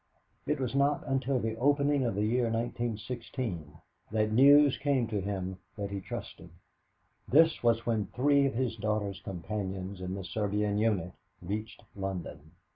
It was not until the opening of the year 1916 that news came to him that he trusted. This was when three of his daughter's companions in the Serbian unit reached London.